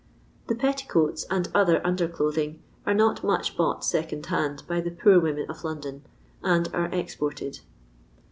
The peUicoatt and other under clothing are not much bought second hand by the poor women of London, and are exported.